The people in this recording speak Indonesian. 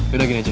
yaudah gini aja